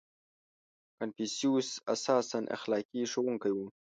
• کنفوسیوس اساساً اخلاقي ښوونکی و.